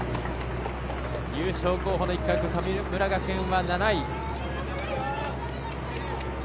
優勝候補の一角、神村学園は７位。